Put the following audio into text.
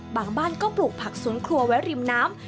บางบ้านก็ปลูกผักสวนครัวไว้ริมน้ำ